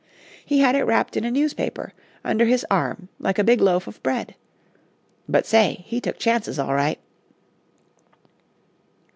He had it wrapped in a newspaper, under his arm like a big loaf of bread. But say, he took chances, all right."